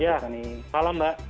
ya selamat malam mbak